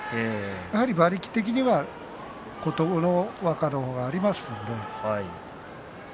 やはり馬力的には琴ノ若の方がありますので。